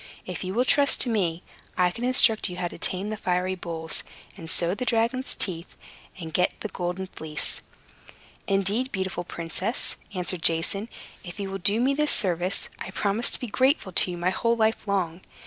If you will trust to me, I can instruct you how to tame the fiery bulls, and sow the dragon's teeth, and get the Golden Fleece." "Indeed, beautiful princess," answered Jason, "if you will do me this service, I promise to be grateful to you my whole life long."